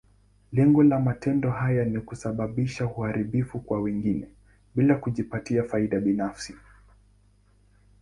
Lengo la matendo haya ni kusababisha uharibifu kwa wengine, bila kujipatia faida binafsi.